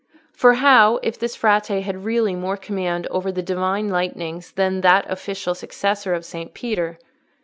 For how if this Frate had really more command over the Divine lightnings than that official successor of Saint Peter?